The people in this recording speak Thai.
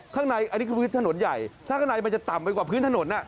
ข้างในอันนี้คือพื้นถนนใหญ่ถ้าข้างในมันจะต่ำไปกว่าพื้นถนน